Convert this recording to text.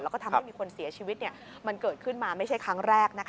แล้วก็ทำให้มีคนเสียชีวิตมันเกิดขึ้นมาไม่ใช่ครั้งแรก